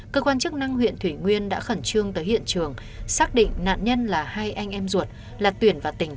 cơ quan chức năng huyện thủy nguyên đã khẩn trương tới hiện trường xác định nạn nhân là hai anh em ruột là tuyển và tỉnh